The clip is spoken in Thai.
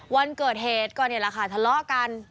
วันเกิดเหตุก็นี่แหละค่ะทะเลาะกัน